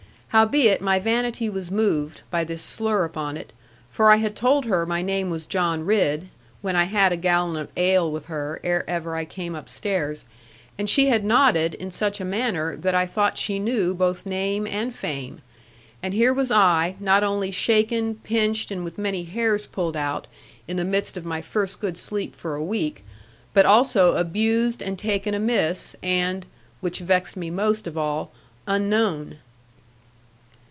Howbeit, my vanity was moved, by this slur upon it for I had told her my name was John Ridd, when I had a gallon of ale with her, ere ever I came upstairs; and she had nodded, in such a manner, that I thought she knew both name and fame and here was I, not only shaken, pinched, and with many hairs pulled out, in the midst of my first good sleep for a week, but also abused, and taken amiss, and (which vexed me most of all) unknown.